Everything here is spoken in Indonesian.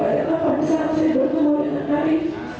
adalah pada saat saya bertemu dengan tarif